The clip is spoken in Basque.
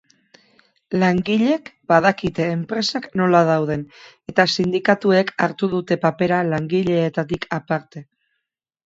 Langilek badakite enpresak nola dauden eta sindikatuek hartu dute papera langileetatik aparte.